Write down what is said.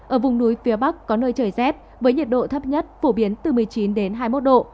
ở vùng núi phía bắc có nơi trời rét với nhiệt độ thấp nhất phổ biến từ một mươi chín hai mươi một độ